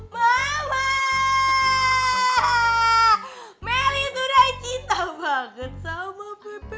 mama melih tuh day cinta banget sama bebe